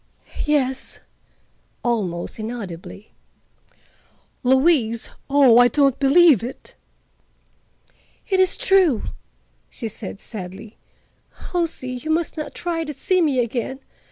"Yes," almost inaudibly. "Louise! Oh, I don't believe it." "It is true," she said sadly. "Halsey, you must not try to see me again.